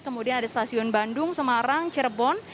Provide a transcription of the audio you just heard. kemudian ada stasiun bandung semarang cirebon